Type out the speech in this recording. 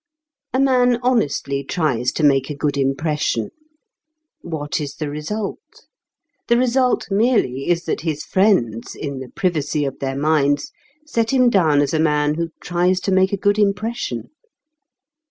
A man honestly tries to make a good impression. What is the result? The result merely is that his friends, in the privacy of their minds, set him down as a man who tries to make a good impression.